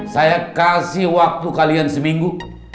saya kasih waktu kalian seminggu